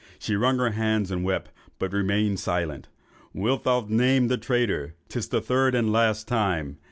She wrung her hands and wept, but remained silent. 'Wilt thou name the traitor? 'Tis the third and last time.